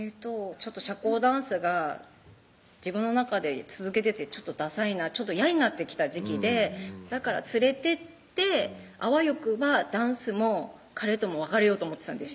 ちょっと社交ダンスが自分の中で続けててださいな嫌になってきた時期でだから連れてってあわよくばダンスも彼とも別れようと思ってたんです